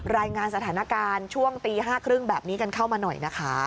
รายงานสถานการณ์ช่วงตี๕๓๐แบบนี้กันเข้ามาหน่อยนะคะ